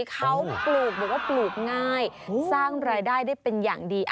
เขาปลูกบอกว่าปลูกง่ายสร้างรายได้ได้เป็นอย่างดี